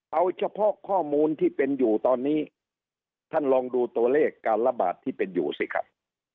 เอาเฉพาะข้อมูลที่เป็นอยู่ตอนนี้ท่านลองดูตัวเลขการระบาดที่เป็นอยู่สิครับ